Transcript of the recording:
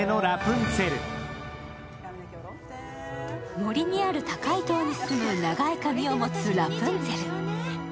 森にある高い塔に住む長い髪を持つラプンツェル。